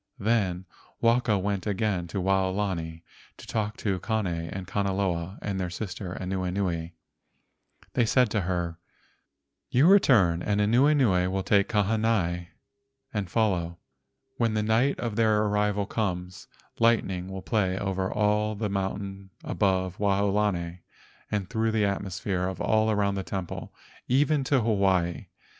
Then Waka went again to Waolani to talk with Kane and Kanaloa and their sister Anuenue. They said to her: "You return, and Anuenue will take Kahanai and follow. When the night of their arrival comes, lightning will play over all the mountains above Waolani and through the atmosphere all around the temple, even to Hawaii.